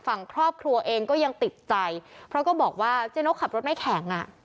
ฝั่งครอบครัวเองก็ยังติดใจเพราะก็บอกว่าเจ๊นกขับรถไม่แข็งอ่ะ